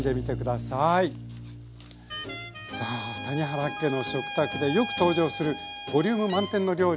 さあ谷原家の食卓でよく登場するボリューム満点の料理